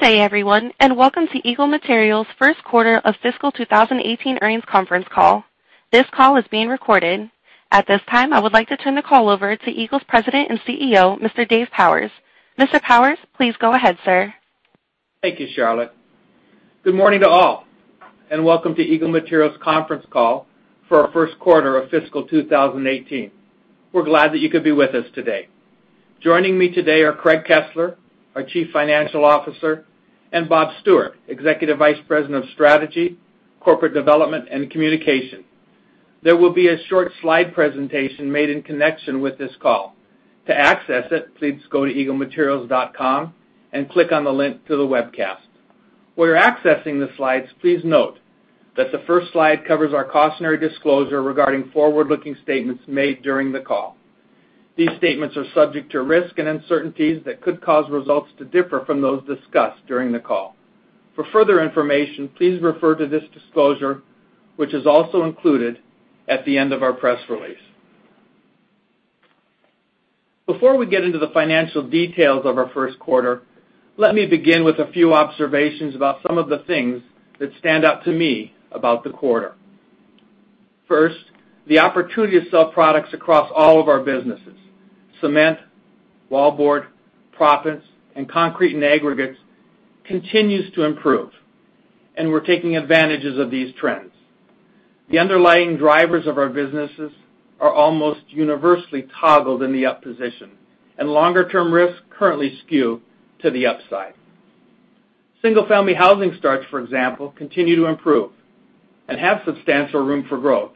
Good day, everyone. Welcome to Eagle Materials' first quarter of fiscal 2018 earnings conference call. This call is being recorded. At this time, I would like to turn the call over to Eagle's President and CEO, Mr. David Powers. Mr. Powers, please go ahead, sir. Thank you, Charlotte. Good morning to all. Welcome to Eagle Materials' conference call for our first quarter of fiscal 2018. We're glad that you could be with us today. Joining me today are Craig Kesler, our Chief Financial Officer, and Bob Stewart, Executive Vice President of Strategy, Corporate Development, and Communication. There will be a short slide presentation made in connection with this call. To access it, please go to eaglematerials.com and click on the link to the webcast. While you're accessing the slides, please note that the first slide covers our cautionary disclosure regarding forward-looking statements made during the call. These statements are subject to risks and uncertainties that could cause results to differ from those discussed during the call. For further information, please refer to this disclosure, which is also included at the end of our press release. Before we get into the financial details of our first quarter, let me begin with a few observations about some of the things that stand out to me about the quarter. First, the opportunity to sell products across all of our businesses, cement, wallboard, proppants, and concrete and aggregates, continues to improve. We're taking advantages of these trends. The underlying drivers of our businesses are almost universally toggled in the up position. Longer-term risks currently skew to the upside. Single-family housing starts, for example, continue to improve and have substantial room for growth.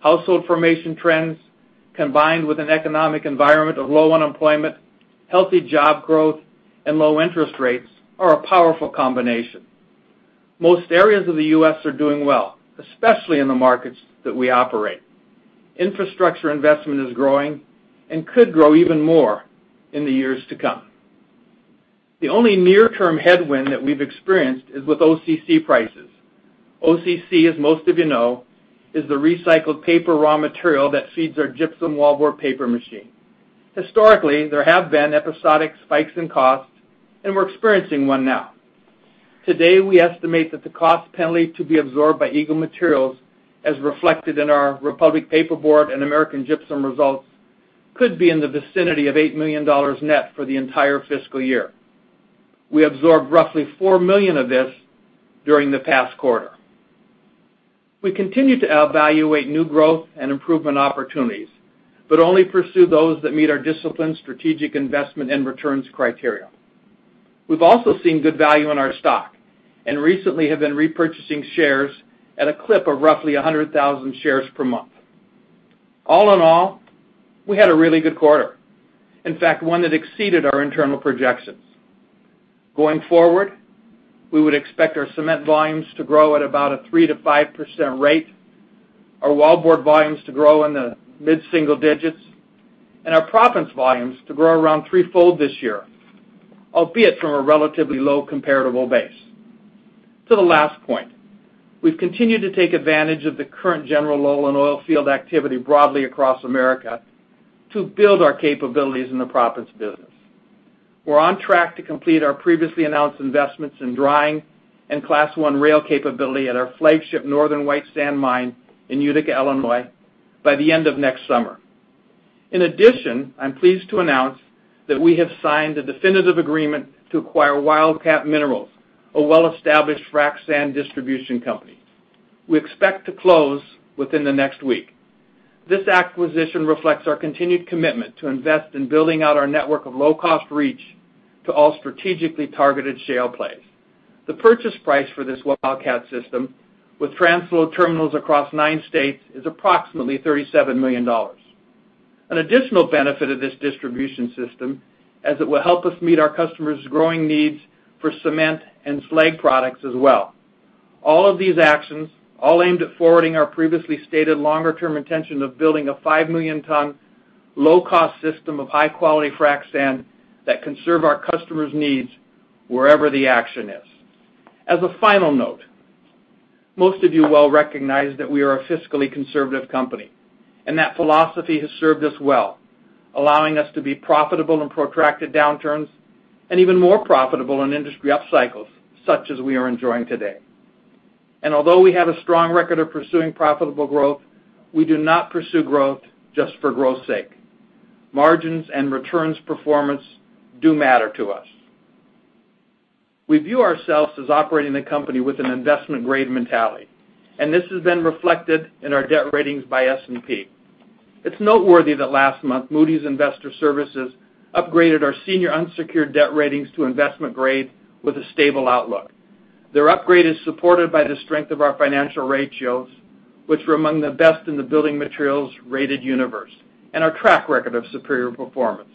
Household formation trends, combined with an economic environment of low unemployment, healthy job growth, and low interest rates are a powerful combination. Most areas of the U.S. are doing well, especially in the markets that we operate. Infrastructure investment is growing and could grow even more in the years to come. The only near-term headwind that we've experienced is with OCC prices. OCC, as most of you know, is the recycled paper raw material that feeds our gypsum wallboard paper machine. Historically, there have been episodic spikes in costs. We're experiencing one now. Today, we estimate that the cost penalty to be absorbed by Eagle Materials, as reflected in our Republic Paperboard and American Gypsum results, could be in the vicinity of $8 million net for the entire fiscal year. We absorbed roughly $4 million of this during the past quarter. We continue to evaluate new growth and improvement opportunities. Only pursue those that meet our disciplined strategic investment and returns criteria. We've also seen good value in our stock. Recently have been repurchasing shares at a clip of roughly 100,000 shares per month. All in all, we had a really good quarter. In fact, one that exceeded our internal projections. Going forward, we would expect our cement volumes to grow at about a 3%-5% rate, our wallboard volumes to grow in the mid-single digits, and our proppants volumes to grow around threefold this year, albeit from a relatively low comparable base. To the last point, we've continued to take advantage of the current general lull in oil field activity broadly across America to build our capabilities in the proppants business. We're on track to complete our previously announced investments in drying and Class I rail capability at our flagship Northern White Sand mine in Utica, Illinois, by the end of next summer. In addition, I'm pleased to announce that we have signed a definitive agreement to acquire Wildcat Minerals, a well-established frac sand distribution company. We expect to close within the next week. This acquisition reflects our continued commitment to invest in building out our network of low-cost reach to all strategically targeted shale plays. The purchase price for this Wildcat system, with transload terminals across nine states, is approximately $37 million. An additional benefit of this distribution system, as it will help us meet our customers' growing needs for cement and slag products as well. All of these actions, all aimed at forwarding our previously stated longer-term intention of building a 5 million ton, low-cost system of high-quality frac sand that can serve our customers' needs wherever the action is. As a final note, most of you well recognize that we are a fiscally conservative company, and that philosophy has served us well, allowing us to be profitable in protracted downturns and even more profitable in industry upcycles, such as we are enjoying today. Although we have a strong record of pursuing profitable growth, we do not pursue growth just for growth's sake. Margins and returns performance do matter to us. We view ourselves as operating a company with an investment-grade mentality, and this has been reflected in our debt ratings by S&P. It's noteworthy that last month, Moody's Investors Service upgraded our senior unsecured debt ratings to investment grade with a stable outlook. Their upgrade is supported by the strength of our financial ratios, which were among the best in the building materials rated universe, and our track record of superior performance.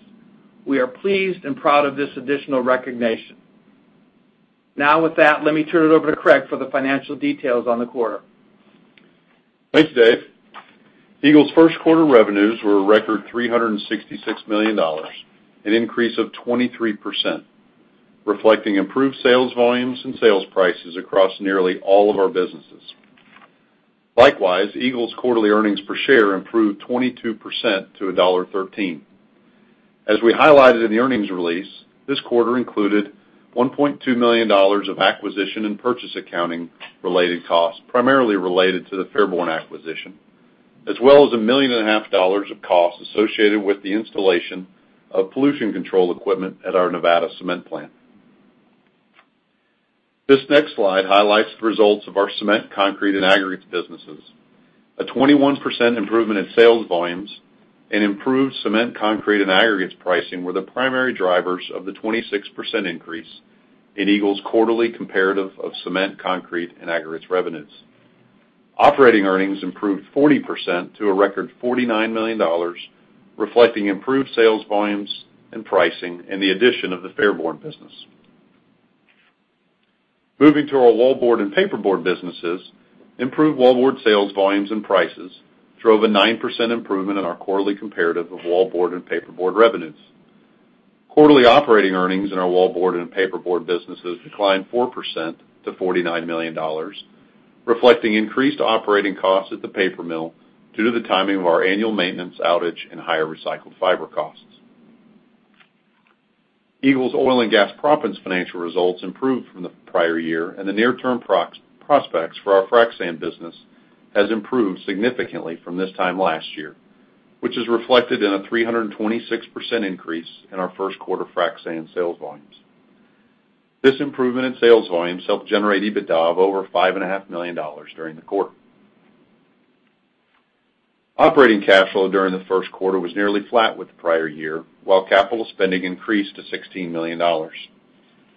We are pleased and proud of this additional recognition. Now, with that, let me turn it over to Craig for the financial details on the quarter. Thanks, Dave. Eagle's first quarter revenues were a record $366 million, an increase of 23%, reflecting improved sales volumes and sales prices across nearly all of our businesses. Likewise, Eagle's quarterly earnings per share improved 22% to $1.13. As we highlighted in the earnings release, this quarter included $1.2 million of acquisition and purchase accounting related costs, primarily related to the Fairborn acquisition, as well as a million and a half dollars of costs associated with the installation of pollution control equipment at our Nevada cement plant. This next slide highlights the results of our cement, concrete, and aggregates businesses. A 21% improvement in sales volumes and improved cement, concrete, and aggregates pricing were the primary drivers of the 26% increase in Eagle's quarterly comparative of cement, concrete, and aggregates revenues. Operating earnings improved 40% to a record $49 million, reflecting improved sales volumes and pricing and the addition of the Fairborn business. Moving to our wallboard and paperboard businesses, improved wallboard sales volumes and prices drove a 9% improvement in our quarterly comparative of wallboard and paperboard revenues. Quarterly operating earnings in our wallboard and paperboard businesses declined 4% to $49 million, reflecting increased operating costs at the paper mill due to the timing of our annual maintenance outage and higher recycled fiber costs. Eagle's oil and gas proppants financial results improved from the prior year, and the near-term prospects for our frac sand business has improved significantly from this time last year, which is reflected in a 326% increase in our first quarter frac sand sales volumes. This improvement in sales volumes helped generate EBITDA of over $5.5 million during the quarter. Operating cash flow during the first quarter was nearly flat with the prior year, while capital spending increased to $16 million.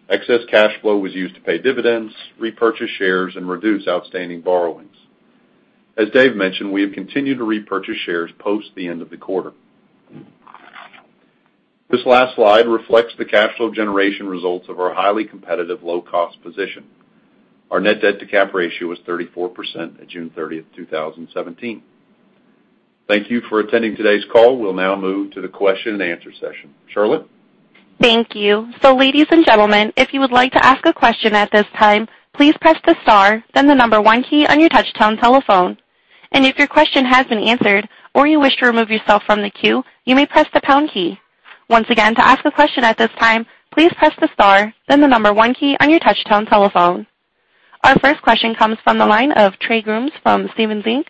Excess cash flow was used to pay dividends, repurchase shares, and reduce outstanding borrowings. As Dave mentioned, we have continued to repurchase shares post the end of the quarter. This last slide reflects the cash flow generation results of our highly competitive low-cost position. Our Net Debt to Cap Ratio was 34% at June 30, 2017. Thank you for attending today's call. We'll now move to the question and answer session. Charlotte? Thank you. Ladies and gentlemen, if you would like to ask a question at this time, please press the star then the number 1 key on your touchtone telephone. If your question has been answered or you wish to remove yourself from the queue, you may press the pound key. Once again, to ask a question at this time, please press the star then the number 1 key on your touchtone telephone. Our first question comes from the line of Trey Grooms from Stephens Inc.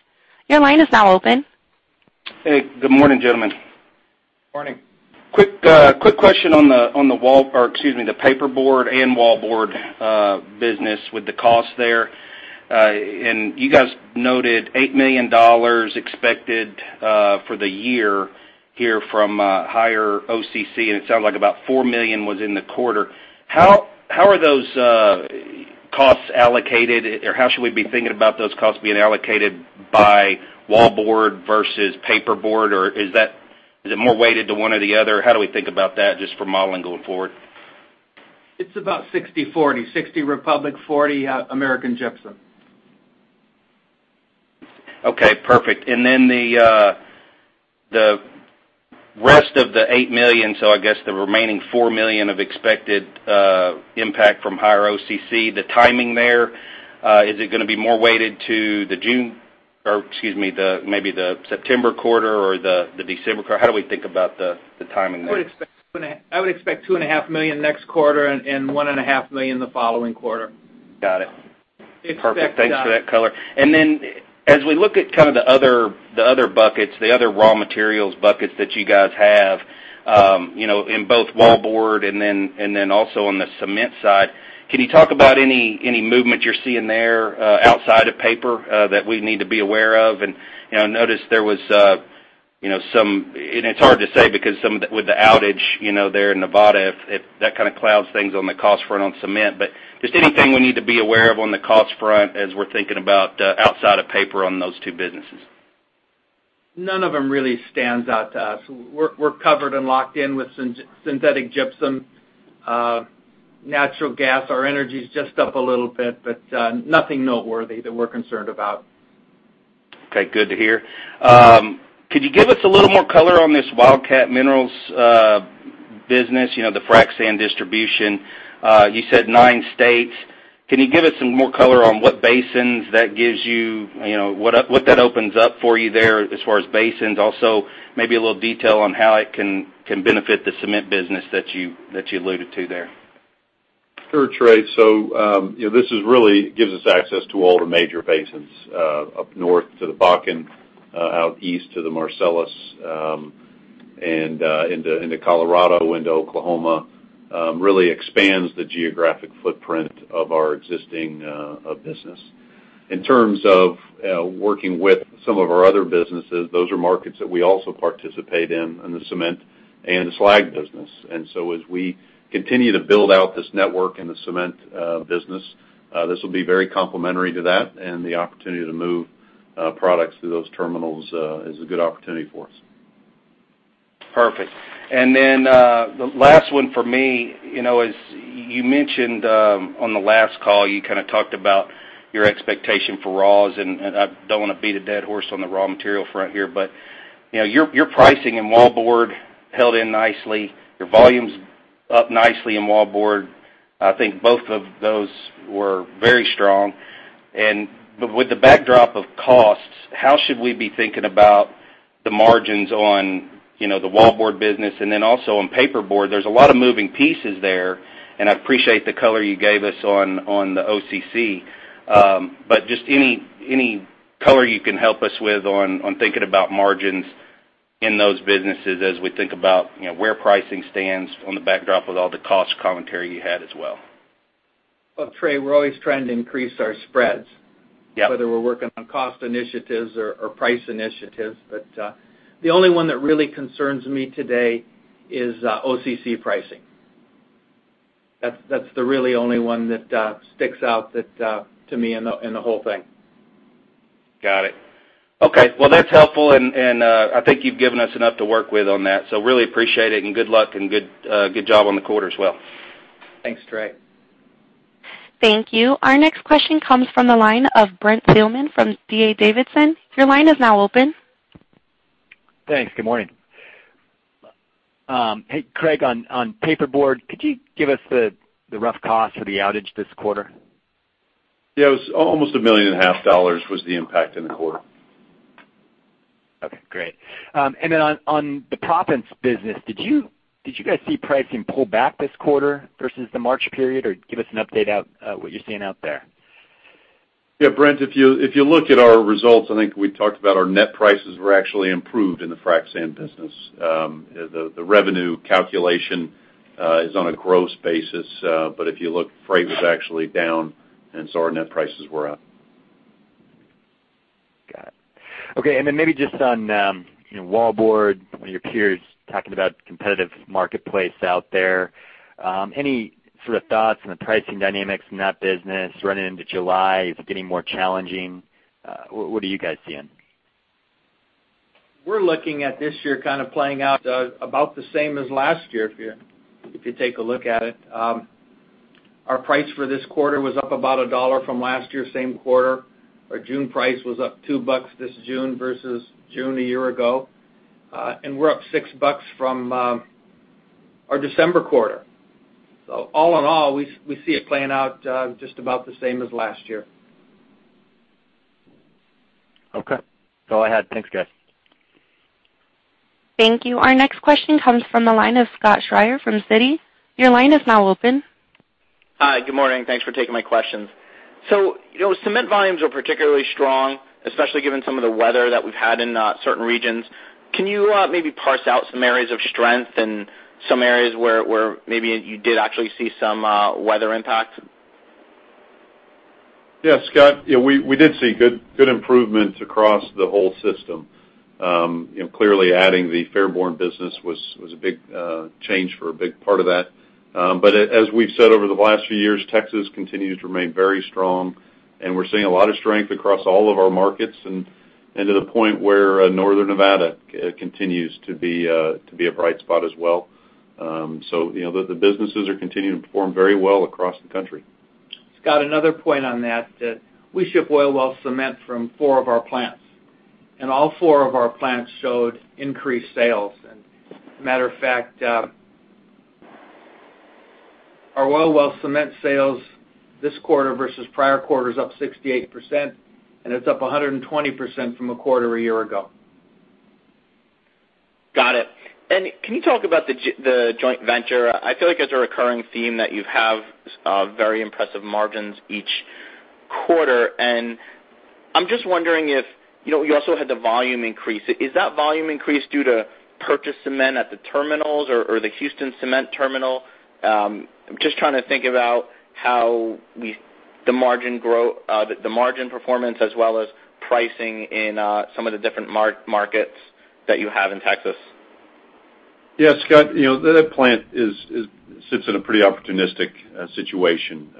Your line is now open. Hey. Good morning, gentlemen. Morning. Quick question on the paperboard and wallboard business with the cost there. You guys noted $8 million expected for the year here from higher OCC, and it sounded like about $4 million was in the quarter. How are those costs allocated? Or how should we be thinking about those costs being allocated by wallboard versus paperboard? Or is it more weighted to one or the other? How do we think about that, just for modeling going forward? It's about 60/40, 60 Republic, 40 American Gypsum. Okay, perfect. Then the rest of the $8 million, so I guess the remaining $4 million of expected impact from higher OCC, the timing there, is it going to be more weighted to the September quarter or the December quarter? How do we think about the timing there? I would expect $2.5 million next quarter and $1.5 million the following quarter. Got it. Expect- Perfect. Thanks for that color. Then as we look at kind of the other raw materials buckets that you guys have in both wallboard and then also on the cement side, can you talk about any movement you're seeing there outside of paper that we need to be aware of? I noticed there was some, and it's hard to say because with the outage there in Nevada, that kind of clouds things on the cost front on cement. Just anything we need to be aware of on the cost front as we're thinking about outside of paper on those two businesses? None of them really stands out to us. We're covered and locked in with synthetic gypsum. Natural gas, our energy's just up a little bit, but nothing noteworthy that we're concerned about. Okay. Good to hear. Could you give us a little more color on this Wildcat Minerals business, the frac sand distribution? You said nine states. Can you give us some more color on what that opens up for you there as far as basins? Also, maybe a little detail on how it can benefit the cement business that you alluded to there. Sure, Trey. This really gives us access to all the major basins. Up north to the Bakken, out east to the Marcellus, and into Colorado, into Oklahoma. Really expands the geographic footprint of our existing business. In terms of working with some of our other businesses, those are markets that we also participate in the cement and the slag business. As we continue to build out this network in the cement business, this will be very complementary to that, and the opportunity to move products through those terminals is a good opportunity for us. Perfect. The last one for me. On the last call, you kind of talked about your expectation for raws, and I don't want to beat a dead horse on the raw material front here, but your pricing in wallboard held in nicely. Your volumes up nicely in wallboard. I think both of those were very strong. With the backdrop of costs, how should we be thinking about the margins on the wallboard business and then also on paperboard? There's a lot of moving pieces there, and I appreciate the color you gave us on the OCC. Just any color you can help us with on thinking about margins in those businesses as we think about where pricing stands on the backdrop of all the cost commentary you had as well. Well, Trey, we're always trying to increase our spreads- Yeah whether we're working on cost initiatives or price initiatives. The only one that really concerns me today is OCC pricing. That's the really only one that sticks out to me in the whole thing. Got it. Okay. That's helpful, and I think you've given us enough to work with on that. Really appreciate it, and good luck, and good job on the quarter as well. Thanks, Trey. Thank you. Our next question comes from the line of Brent Thielman from D.A. Davidson. Your line is now open. Thanks. Good morning. Hey, Craig, on paperboard, could you give us the rough cost for the outage this quarter? Yeah. It was almost a million and a half dollars was the impact in the quarter. Okay, great. On the proppants business, did you guys see pricing pull back this quarter versus the March period, or give us an update what you're seeing out there? Yeah, Brent, if you look at our results, I think we talked about our net prices were actually improved in the frac sand business. The revenue calculation is on a gross basis, if you look, freight was actually down, our net prices were up. Got it. Okay. Maybe just on wallboard, one of your peers talking about competitive marketplace out there. Any sort of thoughts on the pricing dynamics in that business running into July? Is it getting more challenging? What are you guys seeing? We're looking at this year kind of playing out about the same as last year if you take a look at it. Our price for this quarter was up about $1 from last year same quarter. Our June price was up $2 this June versus June a year ago. We're up $6 from our December quarter. All in all, we see it playing out just about the same as last year. Okay. That's all I had. Thanks, guys. Thank you. Our next question comes from the line of Scott Schreiber from Citi. Your line is now open. Hi, good morning. Thanks for taking my questions. Cement volumes are particularly strong, especially given some of the weather that we've had in certain regions. Can you maybe parse out some areas of strength and some areas where maybe you did actually see some weather impact? Yeah, Scott, we did see good improvements across the whole system. Clearly, adding the Fairborn business was a big change for a big part of that. As we've said over the last few years, Texas continues to remain very strong, and we're seeing a lot of strength across all of our markets and to the point where Northern Nevada continues to be a bright spot as well. The businesses are continuing to perform very well across the country. Scott, another point on that we ship oil well cement from four of our plants, and all four of our plants showed increased sales. Matter of fact, our oil well cement sales this quarter versus prior quarter is up 68%, and it's up 120% from a quarter a year ago. Got it. Can you talk about the joint venture? I feel like it's a recurring theme that you have very impressive margins each quarter. I'm just wondering if, you also had the volume increase. Is that volume increase due to purchased cement at the terminals or the Houston cement terminal? I'm just trying to think about how the margin performance as well as pricing in some of the different markets that you have in Texas. Scott, that plant sits in a pretty opportunistic situation.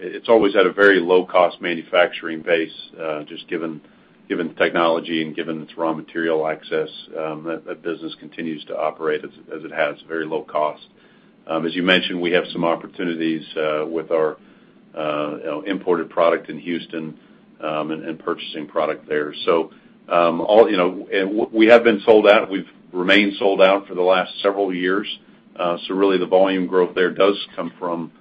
It's always had a very low-cost manufacturing base, just given technology and given its raw material access. That business continues to operate as it has, very low cost. As you mentioned, we have some opportunities with our imported product in Houston and purchasing product there. We have been sold out. We've remained sold out for the last several years. Really the volume growth there does come from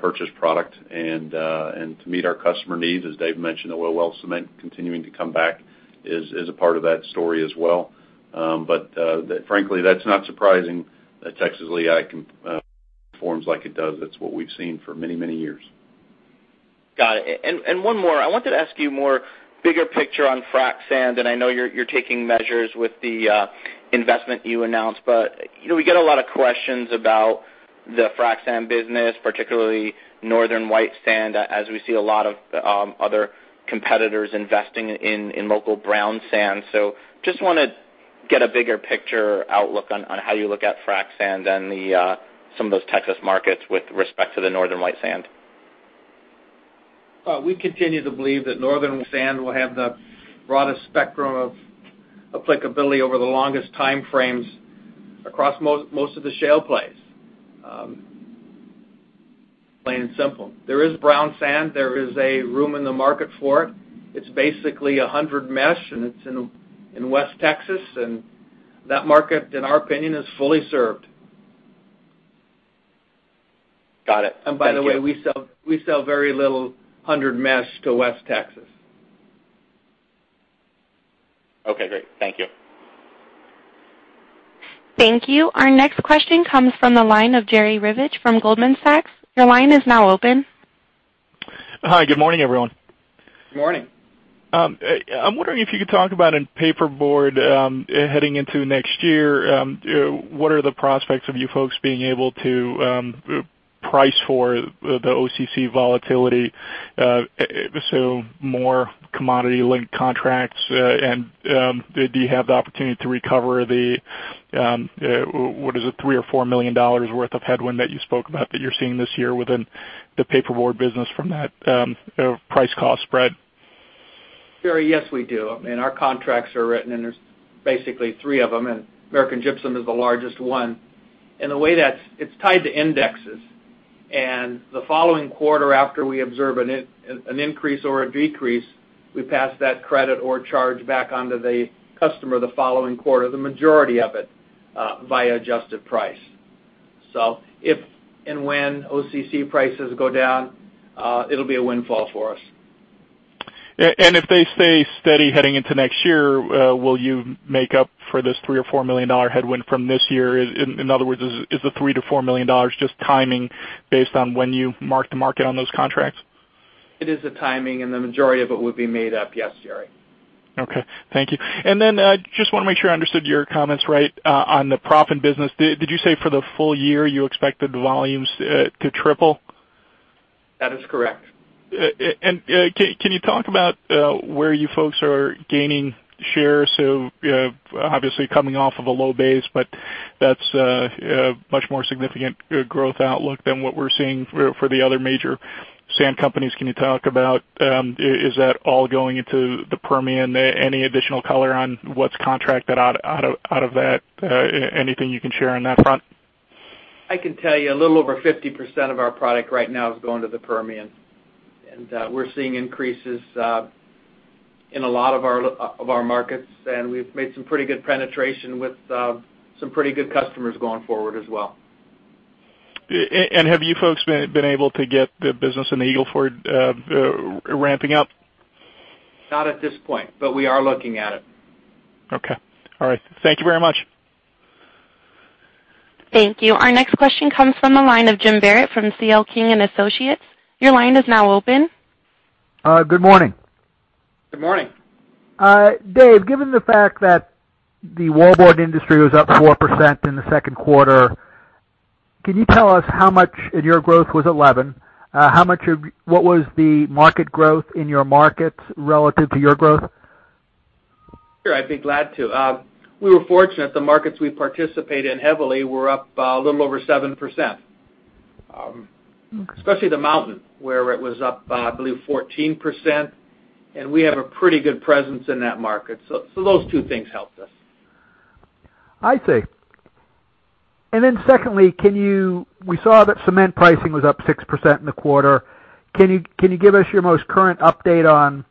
purchased product and to meet our customer needs, as Dave mentioned, the oil well cement continuing to come back is a part of that story as well. Frankly, that's not surprising that Texas Lehigh performs like it does. That's what we've seen for many, many years. Got it. One more. I wanted to ask you more bigger picture on frac sand, and I know you're taking measures with the investment you announced, but we get a lot of questions about the frac sand business, particularly Northern White Sand, as we see a lot of other competitors investing in local brown sand. Just want to get a bigger picture outlook on how you look at frac sand and some of those Texas markets with respect to the Northern White Sand. Well, we continue to believe that Northern Sand will have the broadest spectrum of applicability over the longest time frames across most of the shale plays. Plain and simple. There is brown sand. There is a room in the market for it. It's basically 100 mesh, and it's in West Texas, and that market, in our opinion, is fully served. Got it. Thank you. By the way, we sell very little 100 mesh to West Texas. Okay, great. Thank you. Thank you. Our next question comes from the line of Jerry Revich from Goldman Sachs. Your line is now open. Hi. Good morning, everyone. Good morning. I'm wondering if you could talk about, in paperboard, heading into next year, what are the prospects of you folks being able to price for the OCC volatility, so more commodity-linked contracts, and did you have the opportunity to recover the, what is it? $3 million or $4 million worth of headwind that you spoke about that you're seeing this year within the paperboard business from that price cost spread? Jerry, yes, we do. Our contracts are written, and there's basically three of them, and American Gypsum is the largest one. The way that It's tied to indexes, and the following quarter after we observe an increase or a decrease, we pass that credit or charge back onto the customer the following quarter, the majority of it, via adjusted price. If and when OCC prices go down, it'll be a windfall for us. If they stay steady heading into next year, will you make up for this $3 million or $4 million headwind from this year? In other words, is the $3 million-$4 million just timing based on when you mark-to-market on those contracts? It is the timing, the majority of it would be made up, yes, Jerry. Okay. Thank you. Just want to make sure I understood your comments right on the proppant business. Did you say for the full year, you expected volumes to triple? That is correct. Can you talk about where you folks are gaining share? Obviously coming off of a low base, but that's a much more significant growth outlook than what we're seeing for the other major sand companies. Can you talk about, is that all going into the Permian? Any additional color on what's contracted out of that? Anything you can share on that front? I can tell you a little over 50% of our product right now is going to the Permian. We're seeing increases in a lot of our markets, and we've made some pretty good penetration with some pretty good customers going forward as well. Have you folks been able to get the business in the Eagle Ford ramping up? Not at this point, but we are looking at it. Okay. All right. Thank you very much. Thank you. Our next question comes from the line of Jim Barrett from C.L. King & Associates. Your line is now open. Good morning. Good morning. Dave, given the fact that the wallboard industry was up 4% in the second quarter, can you tell us how much, and your growth was 11, what was the market growth in your markets relative to your growth? Sure. I'd be glad to. We were fortunate. The markets we participate in heavily were up a little over 7%, especially the mountain, where it was up, I believe, 14%, we have a pretty good presence in that market. Those two things helped us. I see. Secondly, we saw that cement pricing was up 6% in the quarter. Can you give us your most current update on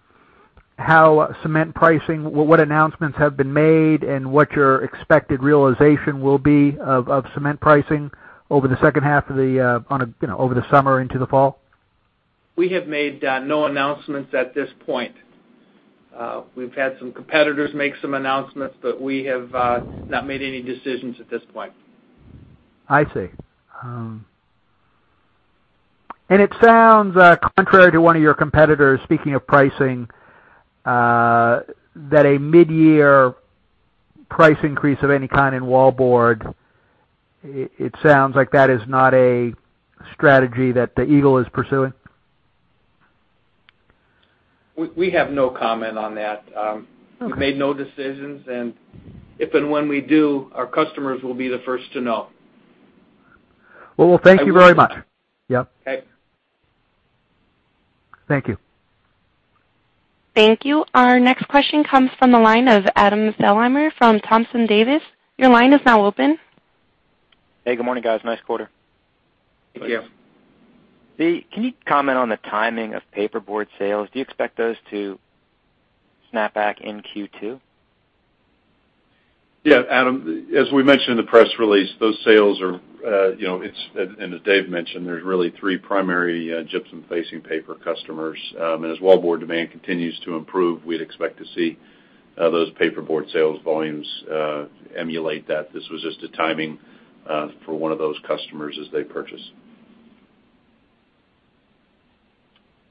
how cement pricing, what announcements have been made, and what your expected realization will be of cement pricing over the second half of the over the summer into the fall? We have made no announcements at this point. We've had some competitors make some announcements, we have not made any decisions at this point. I see. It sounds contrary to one of your competitors, speaking of pricing, that a mid-year price increase of any kind in wallboard, it sounds like that is not a strategy that the Eagle is pursuing? We have no comment on that. Okay. We've made no decisions, and if and when we do, our customers will be the first to know. Well, thank you very much. Yep. Okay. Thank you. Thank you. Our next question comes from the line of Adam Thalhimer from Thompson Davis. Your line is now open. Hey. Good morning, guys. Nice quarter. Thank you. Yes. Dave, can you comment on the timing of paperboard sales? Do you expect those to snap back in Q2? Yeah, Adam, as we mentioned in the press release, those sales are, as Dave mentioned, there's really three primary gypsum facing paper customers. As wallboard demand continues to improve, we'd expect to see those paperboard sales volumes emulate that. This was just a timing for one of those customers as they purchase.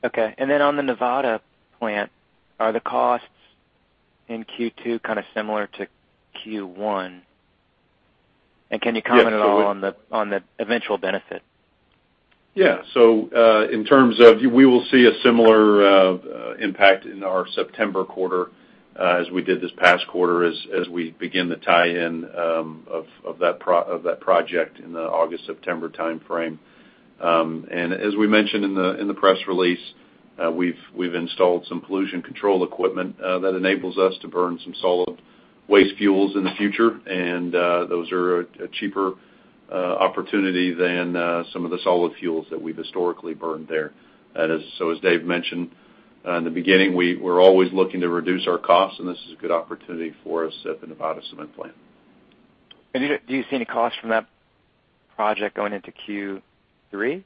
Okay. On the Nevada plant, are the costs in Q2 kind of similar to Q1? Can you comment- Yeah at all on the eventual benefit? Yeah. We will see a similar impact in our September quarter as we did this past quarter as we begin the tie-in of that project in the August-September timeframe. As we mentioned in the press release, we've installed some pollution control equipment that enables us to burn some solid waste fuels in the future, and those are a cheaper opportunity than some of the solid fuels that we've historically burned there. As Dave mentioned in the beginning, we're always looking to reduce our costs, and this is a good opportunity for us at the Nevada Cement plant. Do you see any cost from that project going into Q3?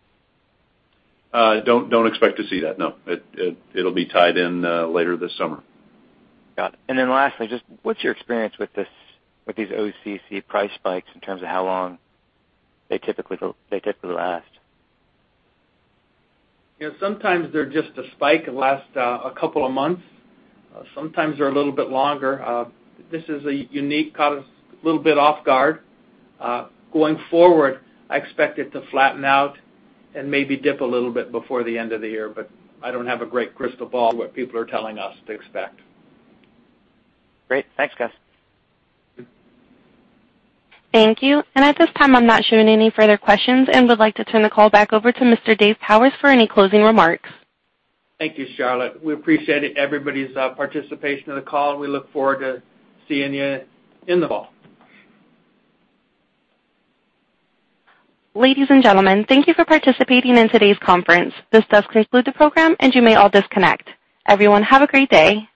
Don't expect to see that. No. It'll be tied in later this summer. Got it. Lastly, just what's your experience with these OCC price spikes in terms of how long they typically last? Sometimes they're just a spike. It'll last a couple of months. Sometimes they're a little bit longer. This is unique. Caught us a little bit off guard. Going forward, I expect it to flatten out and maybe dip a little bit before the end of the year, I don't have a great crystal ball what people are telling us to expect. Great. Thanks, guys. Thank you. At this time, I'm not showing any further questions and would like to turn the call back over to Mr. David Powers for any closing remarks. Thank you, Charlotte. We appreciate everybody's participation in the call, and we look forward to seeing you in the fall. Ladies and gentlemen, thank you for participating in today's conference. This does conclude the program, and you may all disconnect. Everyone, have a great day.